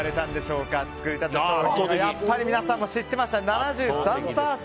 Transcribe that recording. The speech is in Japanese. やっぱり皆さんも知ってました。